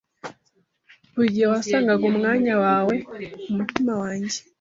Buri gihe wasangaga umwanya wawe mumutima wanjye.